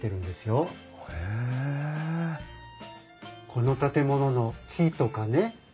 この建物の木とかね